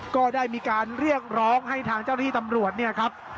ก็ได้มีการเรียกร้องให้ทางเจ้าที่ตำรวจเนี่ยครับ